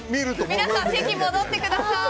皆さん、席戻ってください。